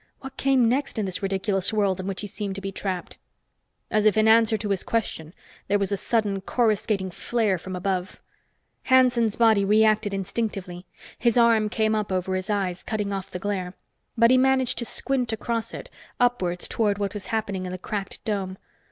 What came next in this ridiculous world in which he seemed to be trapped? As if in answer to his question, there was a sudden, coruscating flare from above. Hanson's body reacted instinctively. His arm came up over his eyes, cutting off the glare. But he managed to squint across it, upwards toward what was happening in the cracked dome.